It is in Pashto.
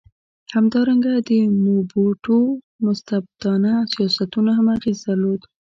همدارنګه د موبوټو مستبدانه سیاستونو هم اغېز درلود.